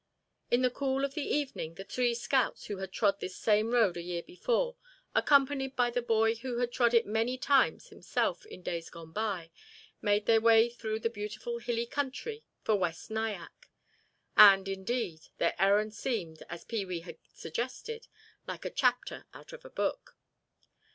In the cool of the evening the three scouts who had trod this same road a year before, accompanied by the boy who had trod it many times himself in days gone by, made their way through the beautiful hilly country for West Nyack. And, indeed, their errand seemed, as Pee wee had suggested, like a chapter out of a book.